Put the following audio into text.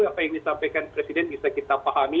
apa yang disampaikan presiden bisa kita pahami